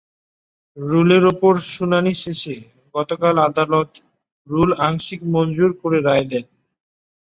রুলের ওপর শুনানি শেষে গতকাল আদালত রুল আংশিক মঞ্জুর করে রায় দেন।